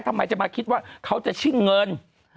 ทำไมจะมาคิดว่าเขาจะชิ่งเงิน